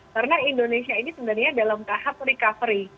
karena indonesia ini sebenarnya dalam tahap recovery